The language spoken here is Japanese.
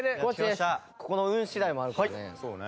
ここの運次第もあるからね。